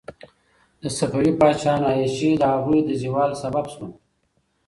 د صفوي پاچاهانو عیاشي د هغوی د زوال سبب شوه.